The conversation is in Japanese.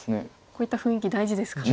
こういった雰囲気大事ですか。